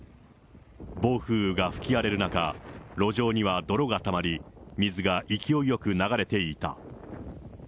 暴風が吹き荒れる中、路上には泥がたまり、水が勢いよく流れていた。